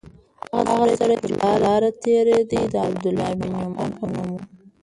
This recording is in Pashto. هغه سړی چې پر لاره تېرېده د عبدالله بن عمر په نوم و.